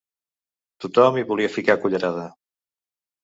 Tothom hi volia ficar cullerada.